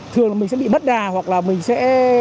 thường là mình sẽ bị mất đà hoặc là mình sẽ